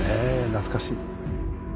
懐かしい。